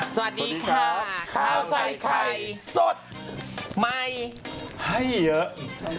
สวัสดีค่ะข้าวใส่ไข่สดใหม่ให้เยอะ